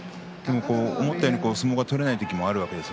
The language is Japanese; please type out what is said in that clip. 思ったように相撲が取れない時もあるわけです。